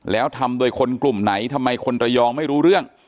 แล้วทำโดยคนกลุ่มไหนทำไมคนระยองไม่รู้เรื่อง